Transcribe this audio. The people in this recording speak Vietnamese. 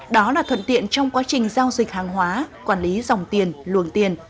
đó là thuận tiện trong quá trình giao dịch hàng hóa quản lý dòng tiền luồng tiền